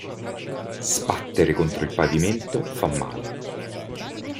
Sbattere contro il pavimento fa male.